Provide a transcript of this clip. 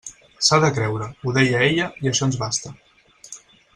S'ha de creure, ho deia ella, i això ens basta.